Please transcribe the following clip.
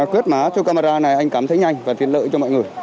quét mã cho camera này anh cảm thấy nhanh và tiện lợi cho mọi người